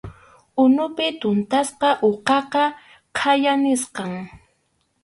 Unupi tuntasqa uqaqa khaya nisqam.